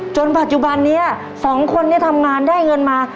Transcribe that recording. จนปัจจุบันนี้สองคนนี้ทำงานได้เงินมา